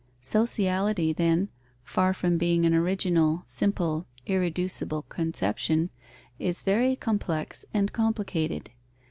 Sociality, then, far from being an original, simple, irreducible conception, is very complex and complicated.